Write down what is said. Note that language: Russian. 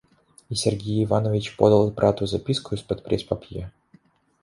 И Сергей Иванович подал брату записку из-под преспапье.